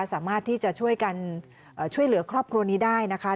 สามารถที่จะช่วยกันช่วยเหลือครอบครัวนี้ได้นะคะ